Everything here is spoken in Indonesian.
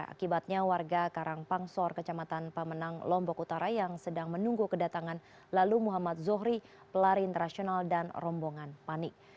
akibatnya warga karangpangsor kecamatan pemenang lombok utara yang sedang menunggu kedatangan lalu muhammad zohri pelari internasional dan rombongan panik